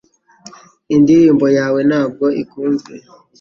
Indirimbo yawe ntabwo ikunzwe